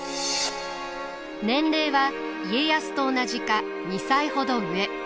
年齢は家康と同じか２歳ほど上。